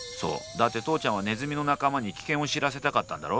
だって父ちゃんはネズミの仲間に危険を知らせたかったんだろ？